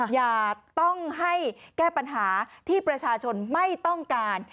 อย่าต้องให้แก้ปัญหาที่ประชาชนไม่ต้องการ